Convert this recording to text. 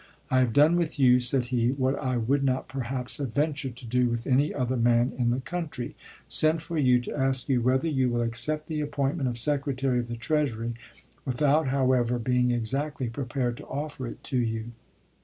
" I have done with you," said he, " what I would not perhaps have ventured to do with any other man in the country — sent for you to ask you whether you will accept the appoint ment of Secretary of the Treasury, without, how " Life of s! ever, being exactly prepared to offer it to you."